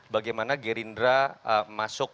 bagaimana gerindra masuk